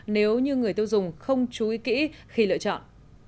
nếu như người tiêu dùng không chú ý kỹ khi lựa chọn